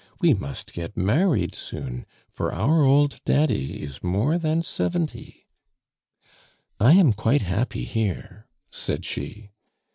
We must get married soon, for our old daddy is more than seventy " "I am quite happy here," said she.